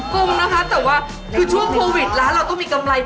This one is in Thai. กลมนะคะแต่ว่าคือช่วงโควิดแล้วเราต้องมีกำไรบ้าง